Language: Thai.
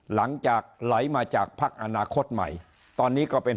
หลังจากไหลมาปักอนาคตใหม่ตอนนี้ก็เป็น๖๑คน